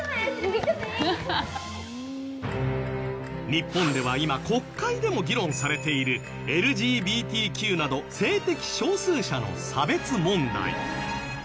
日本では今国会でも議論されているＬＧＢＴＱなど性的少数者の差別問題。